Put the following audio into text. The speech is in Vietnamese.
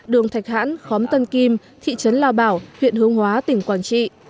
đường thạch hãn khóm tân kim thị trấn lao bảo huyện hương hóa tỉnh quảng trị